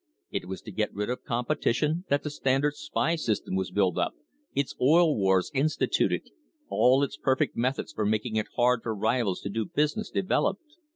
It was to get rid of competition that the Standard's spy system was built up, its oil wars instituted, all its per fect methods for making it hard for rivals to do business developed.